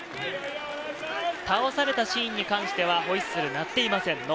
倒されたシーンに関してはホイッスル鳴っていません。